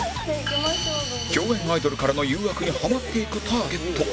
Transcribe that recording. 共演アイドルからの誘惑にハマっていくターゲット